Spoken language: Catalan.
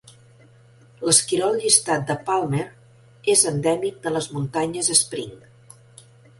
L"esquirol llistat de Palmer és endèmic de les muntanyes Spring.